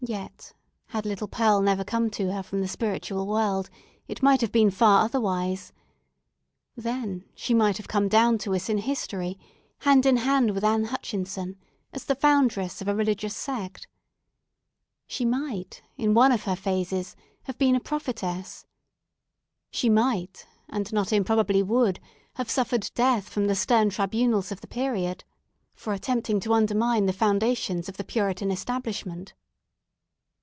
Yet, had little Pearl never come to her from the spiritual world, it might have been far otherwise. Then she might have come down to us in history, hand in hand with Ann Hutchinson, as the foundress of a religious sect. She might, in one of her phases, have been a prophetess. She might, and not improbably would, have suffered death from the stern tribunals of the period, for attempting to undermine the foundations of the Puritan establishment.